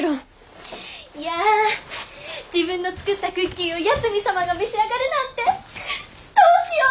いや自分の作ったクッキーを八海サマが召し上がるなんてどうしよう！